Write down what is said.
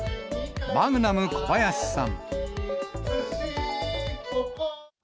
マグナム小林さん。